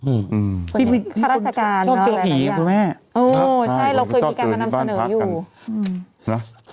อืมที่มีข้าราชการชอบเจอผีอ่ะคุณแม่เออใช่เราเคยมีการมานำเสนออยู่อืมนะ